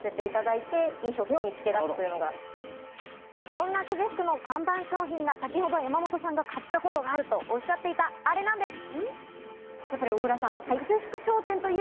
そんな久世福の看板商品が先ほど山本さんが買ったことあるとおっしゃっていたアレなんです。